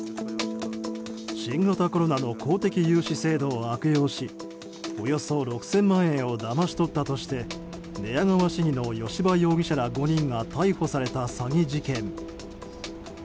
新型コロナの公的融資制度を悪用しおよそ６０００万円をだまし取ったとして寝屋川市議の吉羽容疑者ら５人が逮捕された詐欺事件。